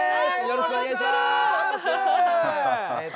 よろしくお願いします！